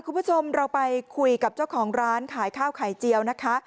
คุณผู้ชมเราไปคุยกับเจ้าของร้านขายข้าวไข่เจียวนะคะ